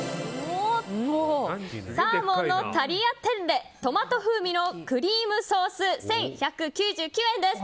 サーモンのタリアテッレトマト風味のクリームソース１１９９円です。